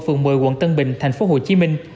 phường một mươi quận tân bình tp hcm